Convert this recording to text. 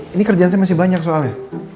ini kerjaan saya masih banyak soalnya